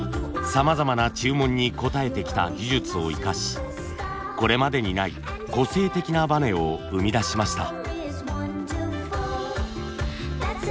さまざまな注文に応えてきた技術を生かしこれまでにない個性的なバネを生み出しました。